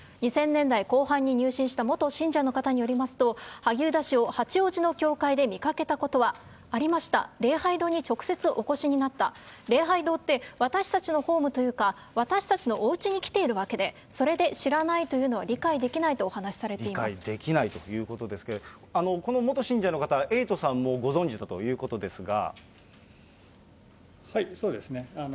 ２０００年代後半に入信した元信者の方によりますと、萩生田氏を八王子の教会で見かけたことは？ありました、礼拝堂に直接お越しになった、礼拝堂って私たちのホームというか、私たちのおうちに来ているわけで、それで知らないというのは、理解できないということですけれども、この元信者の方、エイトさんもご存じだということですが。